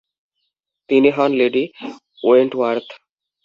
তিনি হন Lady Wentworth.